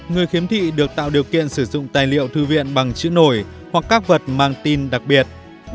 người khiếm thị được tạo điều kiện sử dụng tài liệu thư viện bằng chữ nổi hoặc các vật mang tin đặc biệt